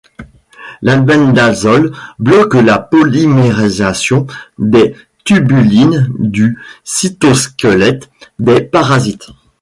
L'albendazole bloque la polymérisation des tubulines du cytosquelette des parasites.